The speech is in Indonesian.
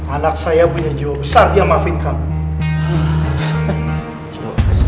anak saya punya jiwa besar dia maafin kamu